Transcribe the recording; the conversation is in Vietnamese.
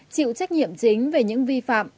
chịu trách nhiệm chính về những vi phạm